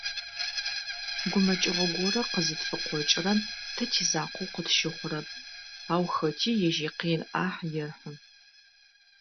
Гумэкӏыгъо горэ къызытфыкъокӏырэм, тэ тизакъоу къытщыхъурэп, ау хэти ежь икъин ӏахь ехьы.